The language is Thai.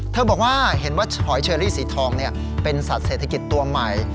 บอกว่าเห็นว่าหอยเชอรี่สีทองเป็นสัตว์เศรษฐกิจตัวใหม่